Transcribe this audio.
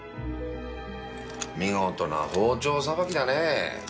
見事な包丁さばきだね。